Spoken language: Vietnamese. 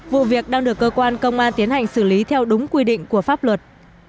vụ việc đang được cơ quan công an tiến hành xử lý theo đúng quy định của pháp luật